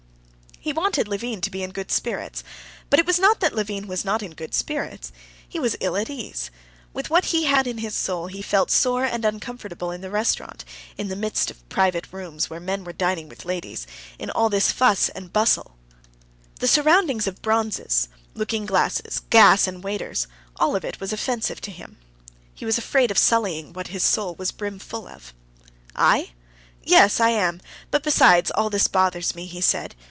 He wanted Levin to be in good spirits. But it was not that Levin was not in good spirits; he was ill at ease. With what he had in his soul, he felt sore and uncomfortable in the restaurant, in the midst of private rooms where men were dining with ladies, in all this fuss and bustle; the surroundings of bronzes, looking glasses, gas, and waiters—all of it was offensive to him. He was afraid of sullying what his soul was brimful of. "I? Yes, I am; but besides, all this bothers me," he said.